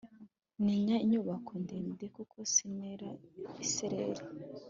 Ninya inyubako ndende kuko sinera isereri